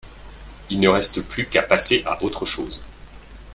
Il ne reste plus qu'à passer à autre chose